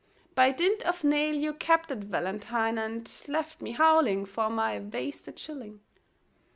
By dint of nail you kept that valentine, And left me howling for my wasted shilling.